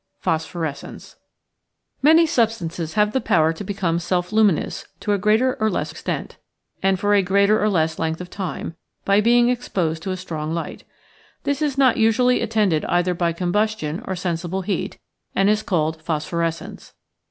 PHOSPHORESCENCE, Many substances have the power to become self luminous to a greater or less extent, and for a greater or less length of time, by being exposed to a strong light. This is not usu ally attended either by combustion or sensi ble heat, and is called phosphorescence.